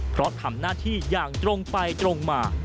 เพราะทำหน้าที่อย่างตรงไปตรงมา